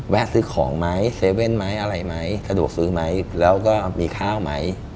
ซื้อของไหม๗๑๑ไหมอะไรไหมสะดวกซื้อไหมแล้วก็มีข้าวไหม